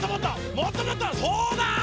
そうだ！